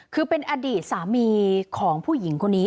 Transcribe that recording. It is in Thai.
คือเป็นอดีตสามีของผู้หญิงคนนี้